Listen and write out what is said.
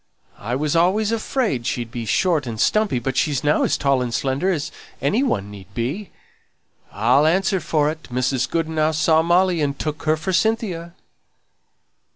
I was always afraid she'd be short and stumpy, but she's now as tall and slender as anyone need be. I'll answer for it, Mrs. Goodenough saw Molly, and took her for Cynthia."